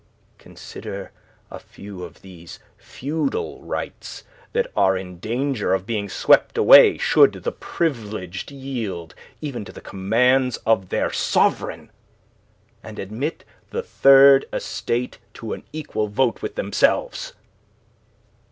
Consider a few of these feudal rights that are in danger of being swept away should the Privileged yield even to the commands of their sovereign; and admit the Third Estate to an equal vote with themselves.